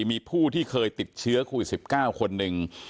มีผู้ที่เคยติดเชื้อโควิด๑๙คนหนึ่ง